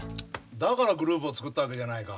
だからグループを作ったわけじゃないか。